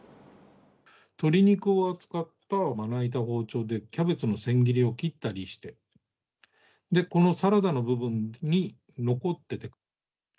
鶏肉を扱ったまな板、包丁でキャベツの千切りを切ったりして、このサラダの部分に残ってて。